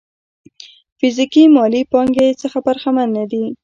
فزيکي مالي پانګې څخه برخمن نه دي.